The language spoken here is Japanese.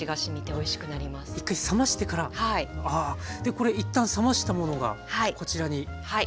これ一旦冷ましたものがこちらにあります。